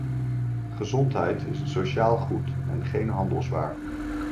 Gezondheid is een sociaal goed en geen handelswaar.